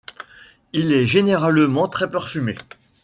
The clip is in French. Il est généralement très parfumé.